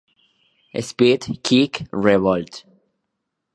Spit, Kick, Revolt.